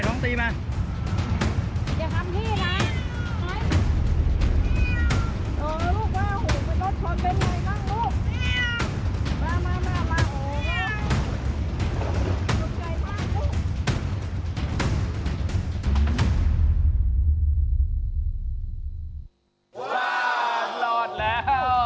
ว้าวสร้างรอดแล้ว